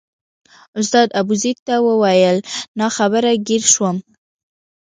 استاد ابوزید ته وویل ناخبره ګیر شوم.